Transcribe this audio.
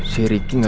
si riki gak mau